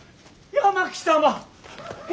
八巻様！